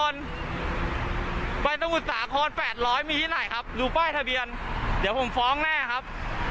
ไม่ได้ไหมครับไม่เจอลงพัก